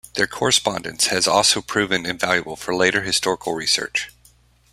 Their correspondence has also proven invaluable for later historical research.